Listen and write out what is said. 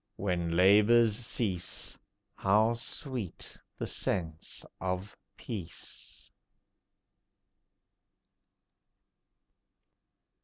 When labours cease, How sweet the sense of peace!